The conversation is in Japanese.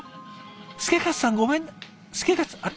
祐勝さんごめん祐勝さんあれ？